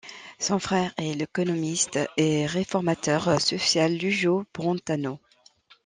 Son frère est l'économiste et réformateur social Lujo Brentano.